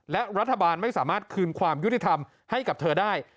และรัฐบาลไม่สามารถคืนความยุติธรรมให้กับเธอได้